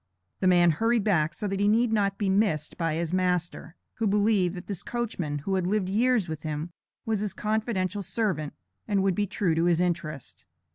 The man hurried back, so that he need not be missed by his master, who believed that this coachman, who had lived years with him, was his confidential servant, and would be true to his interest.